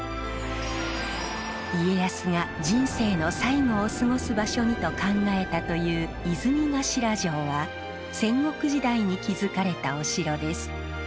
家康が人生の最後を過ごす場所にと考えたという泉頭城は戦国時代に築かれたお城です。